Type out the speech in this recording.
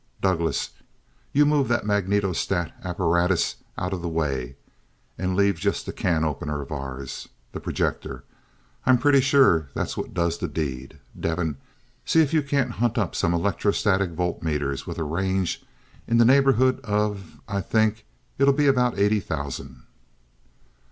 Douglass, you move that magnetostat apparatus out of the way, and leave just the 'can opener' of ours the projector. I'm pretty sure that's what does the deed. Devin, see if you can hunt up some electrostatic voltmeters with a range in the neighborhood of I think it'll be about eighty thousand."